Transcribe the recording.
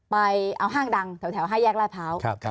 ไปเอาห้างดังแถวให้แยกลาดเผา